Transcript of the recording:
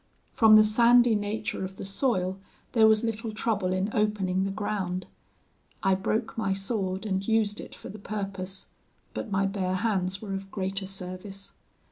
From the sandy nature of the soil there was little trouble in opening the ground. I broke my sword and used it for the purpose; but my bare hands were of greater service.